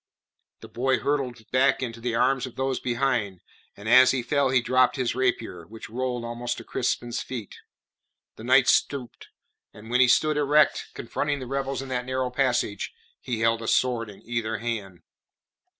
The boy hurtled back into the arms of those behind, and as he fell he dropped his rapier, which rolled almost to Crispin's feet. The knight stooped, and when again he stood erect, confronting the rebels in that narrow passage, he held a sword in either hand.